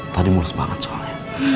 tadi mulus banget soalnya